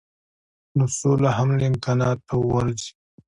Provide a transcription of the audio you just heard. نو سوله هم له امکاناتو غورځي.